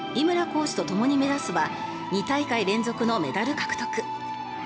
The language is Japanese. コーチとともに目指すは２大会連続のメダル獲得。